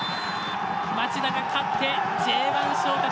町田が勝ってＪ１昇格。